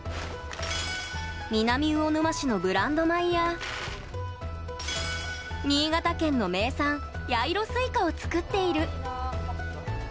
南魚沼市のブランド米や新潟県の名産八色すいかを作っている。